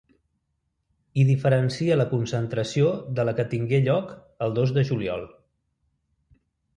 I diferencia la concentració de la que tingué lloc el dos de juliol.